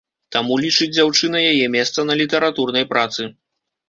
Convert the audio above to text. Таму, лічыць дзяўчына, яе месца на літаратурнай працы.